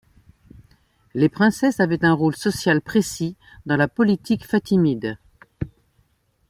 Les princesses avaient un rôle social précis dans la politique fatimide.